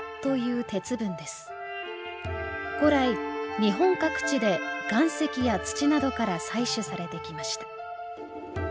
古来日本各地で岩石や土などから採取されてきました。